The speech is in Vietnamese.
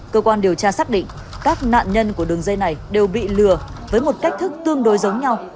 cơ quan điều tra xác định các nạn nhân của đường dây này đều bị lừa với một cách thức tương đối giống nhau